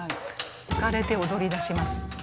浮かれて踊りだします。